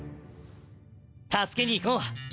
助けにいこう！